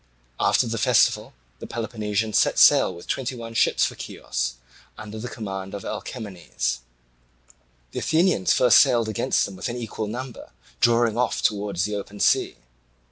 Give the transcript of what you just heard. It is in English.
After the festival the Peloponnesians set sail with twenty one ships for Chios, under the command of Alcamenes. The Athenians first sailed against them with an equal number, drawing off towards the open sea.